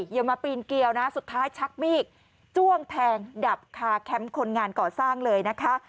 อย่ามาปีนเกียวนะสุดท้ายชักมีดจ้วงแทงดับคาแคมป์คนงานก่อสร้างเลยนะคะ